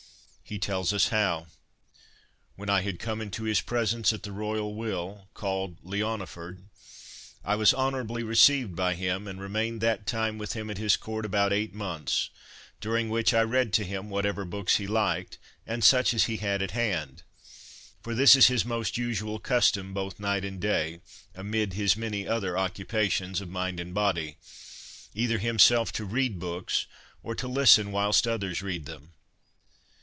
He tells us how, " When I had come into his presence at the royal vill, called Leona ford, I was honourably received by him, and remained that time with him at his court about eight months, during which I read to him whatever books he liked, and such as he had at hand ; for this is his most usual custom, both night and day, amid his many other occupations of mind and body, either himself to read books, or to listen whilst others read them."